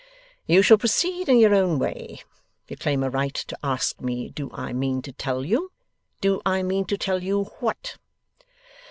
'You shall proceed in your own way. You claim a right to ask me do I mean to tell you. Do I mean to tell you what?